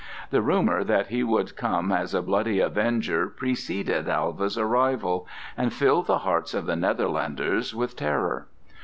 The rumor that he would come as a bloody avenger preceded Alva's arrival, and filled the hearts of the Netherlanders with terror.